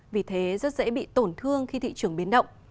vì thế rất dễ bị tổn thương khi thị trường biến động